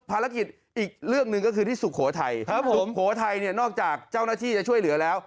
ภารกิจอีกเรื่องหนึ่งก็คือที่สุโขทัยครับผมสุโขทัยเนี่ยนอกจากเจ้าหน้าที่จะช่วยเหลือแล้ว